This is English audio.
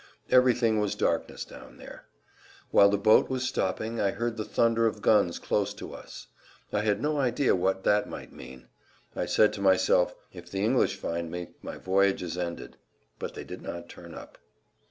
Everything was darkness down there. While the boat was stopping I heard the thunder of guns close to us. I had no idea what that might mean. I said to myself, "If the English find me my voyage is ended." But they did not turn up.